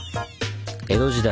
江戸時代